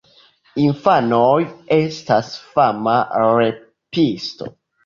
Infanoj: "Estas fama repisto!"